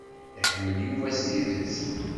Iḥemmel Yuba s tidet.